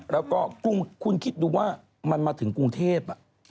แล้วก็คุณคิดดูว่ามันมาถึงกรุงเทพ